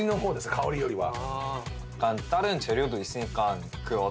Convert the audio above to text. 香りよりは。